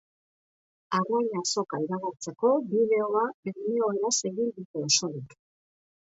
Arrain Azoka iragartzeko bideoa bermeoeraz egin dute osorik.